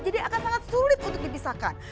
jadi akan sangat sulit untuk dipisahkan